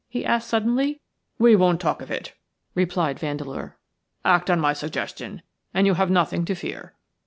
he asked, suddenly. "We won't talk of it," replied Vandeleur. "Act on my suggestion and you have nothing to fear."